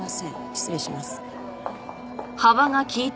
失礼します。